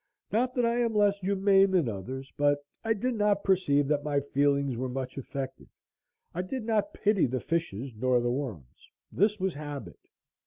Not that I am less humane than others, but I did not perceive that my feelings were much affected. I did not pity the fishes nor the worms. This was habit.